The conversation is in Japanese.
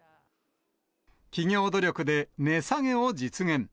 企業努力で値下げを実現。